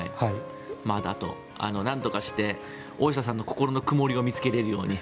あと、なんとかして大下さんの心の曇りを見つけられるように。